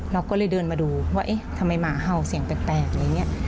เราก็เลยเดินมาดูว่าเอ๊ะทำไมหมาเห่าเสียงแปลกอะไรอย่างนี้